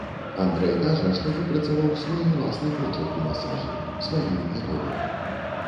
Андрэй кажа, што выпрацаваў свой уласны почырк ў масажы, сваю методыку.